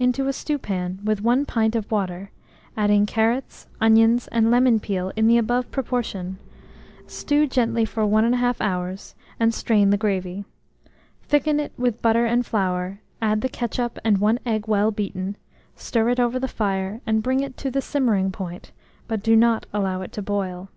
into a stewpan with 1 pint of water, adding carrots, onions, and lemon peel in the above proportion; stew gently for 1 1/2 hour, and strain the gravy. Thicken it with butter and flour, add the ketchup and 1 egg well beaten; stir it over the fire, and bring it to the simmering point, but do not allow it to boil.